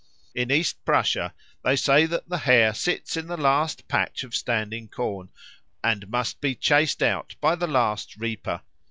In East Prussia they say that the Hare sits in the last patch of standing corn, and must be chased out by the last reaper.